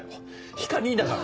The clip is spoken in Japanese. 光莉にだから。